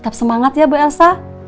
tetap semangat ya bu elsa